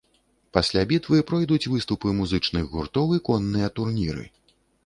Пасля бітвы пройдуць выступы музычных гуртоў і конныя турніры.